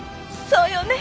そうよね！